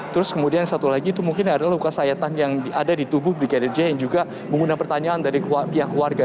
terus kemudian satu lagi itu mungkin adalah luka sayatan yang ada di tubuh brigadir j yang juga mengundang pertanyaan dari pihak warga